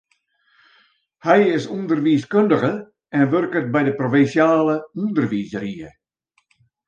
Hy is ûnderwiiskundige en wurket by de provinsjale ûnderwiisrie.